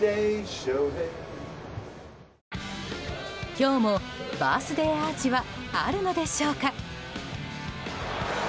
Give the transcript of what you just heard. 今日もバースデーアーチはあるのでしょうか。